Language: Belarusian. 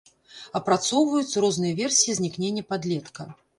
Адпрацоўваюцца розныя версіі знікнення падлетка.